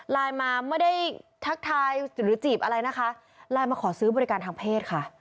ไลน์มาไม่ได้ทักทายหรือจีบอะไรนะคะไลน์มาขอซื้อบริการทางเพศค่ะ